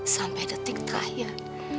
sampai detik terakhir